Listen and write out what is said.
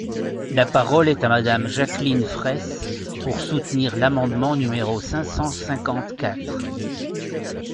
La parole est à Madame Jacqueline Fraysse, pour soutenir l’amendement numéro cinq cent cinquante-quatre.